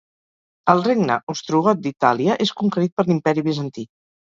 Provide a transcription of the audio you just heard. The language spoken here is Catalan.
El Regne Ostrogot d'Itàlia és conquerit per l'imperi Bizantí.